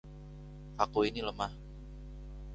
Aku ini lemah.